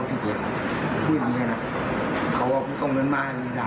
ถ้าเป็นส่งเงินมาพี่ส่งเงินมาเลยร้าย